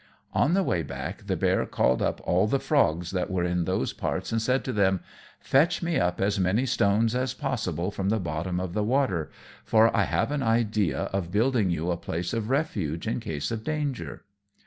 On the way back the bear called up all the frogs that were in those parts, and said to them, "Fetch me up as many stones as possible from the bottom of the water, for I have an idea of building you a place of refuge in case of danger."